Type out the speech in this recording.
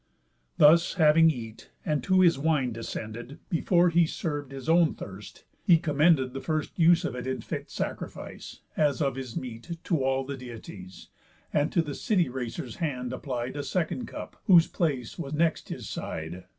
Thus having eat, and to his wine descended, Before he serv'd his own thirst, he commended The first use of it in fit sacrifice (As of his meat) to all the Deities, And to the city racer's hand applied The second cup, whose place was next his side.